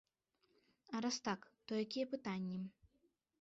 А раз так, то якія пытанні?